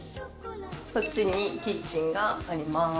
こっちにキッチンがあります。